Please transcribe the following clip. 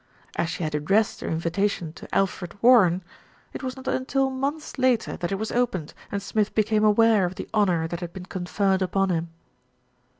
As she had addressed her invitation to Alfred War ren, it was not until months later that it was opened, and Smith became aware of the honour that had been conferred upon him.